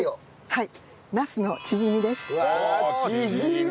はい。